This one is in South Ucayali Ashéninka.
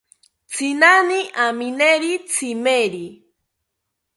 Tzinani amineri tzimeri